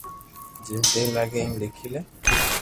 جيم سھي لاگي ايم ليکي لي